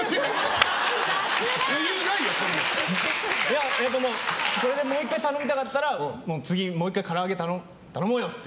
やっぱこれでもう１回頼みたかったら次、もう１回から揚げ頼もうよって。